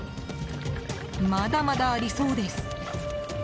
まだまだありそうです。